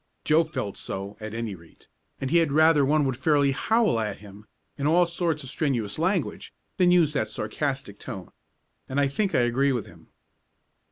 Joe felt so, at any rate, and he had rather one would fairly howl at him, in all sorts of strenuous language, than use that sarcastic tone. And I think I agree with him.